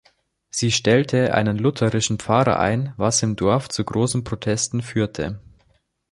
Sie stellte einen lutherischen Pfarrer ein, was im Dorf zu großen Protesten führte.